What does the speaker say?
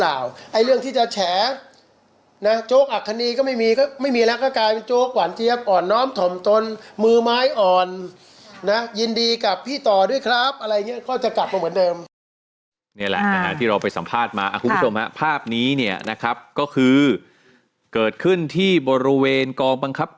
อ่าที่เราไปสัภาพมาครับครับคุณพี่ผู้ชมภาพนี้เนี่ยนะครับก็คือเกิดขึ้นที่บริเวณกองบังคับการ